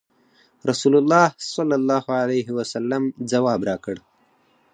رسول الله صلی الله علیه وسلم ځواب راکړ.